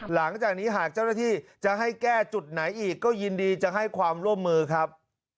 หลังจากนี้หากเจ้าหน้าที่จะให้แก้จุดไหนอีกก็ยินดีจะให้ความร่วมมือครับ